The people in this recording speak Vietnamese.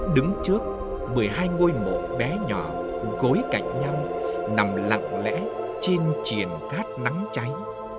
đứng trước một mươi hai ngôi mộ bé nhỏ gối cạnh nhau nằm lặng lẽ trên triển cát nắng cháy